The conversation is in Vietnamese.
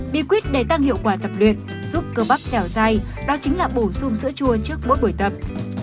bí quyết để tăng hiệu quả tập luyện giúp cơ bắp dẻo dai đó chính là bổ sung sữa chua trước mỗi buổi tập